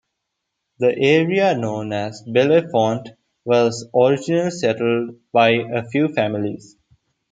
The area known as Bellefonte was originally settled by a few families.